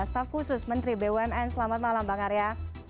staf khusus menteri bumn selamat malam bang arya